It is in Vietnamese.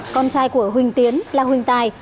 con trai của huỳnh tiến là huỳnh tài